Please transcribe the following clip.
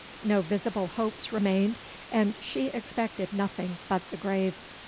No visible hopes remained, and she expected nothing but the grave.